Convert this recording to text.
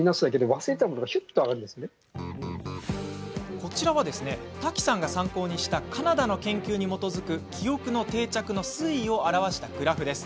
こちらは瀧さんが参考にしたカナダの研究に基づく記憶の定着の推移を表したグラフです。